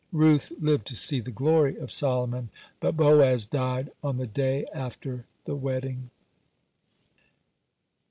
(68) Ruth lived to see the glory of Solomon, but Boaz died on the day after the wedding.